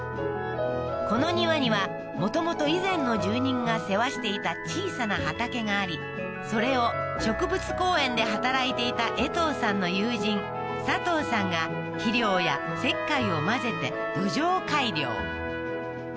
この庭にはもともと以前の住人が世話していた小さな畑がありそれを植物公園で働いていたえとうさんの友人佐藤さんが肥料や石灰を混ぜて土壌改良